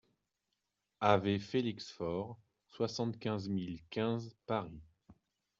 AV FELIX FAURE, soixante-quinze mille quinze Paris